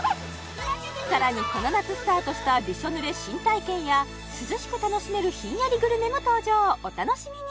さらにこの夏スタートしたびしょ濡れ新体験や涼しく楽しめるひんやりグルメも登場お楽しみに！